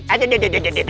aduh aduh aduh